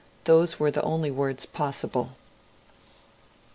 Those were the only words possible.